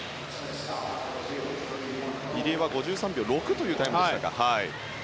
入江は５３秒６というタイムでした。